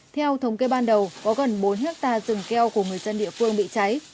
theo thống kê ban đầu có gần bốn hectare rừng keo của người dân địa phương bị cháy